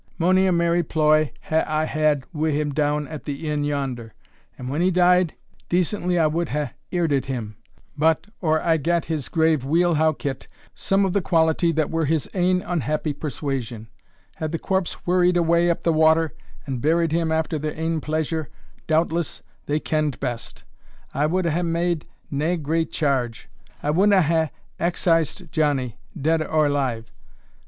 Mony a merry ploy I hae had wi' him down at the inn yonder; and when he died, decently I wad hae earded him; but, or I gat his grave weel howkit, some of the quality, that were o' his ain unhappy persuasion, had the corpse whirried away up the water, and buried him after their ain pleasure, doubtless they kend best. I wad hae made nae great charge. I wadna hae excised Johnnie, dead or alive.